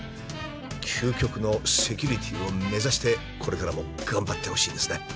究極のセキュリティーを目指してこれからも頑張ってほしいですね。